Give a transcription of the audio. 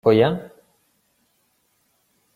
— Бо я...